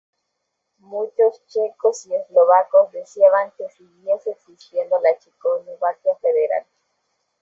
Muchos checos y eslovacos deseaban que siguiese existiendo la Checoslovaquia federal.